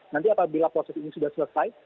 nanti apabila proses ini sudah selesai